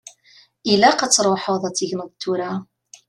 Ilaq ad tṛuḥeḍ ad tegneḍ tura.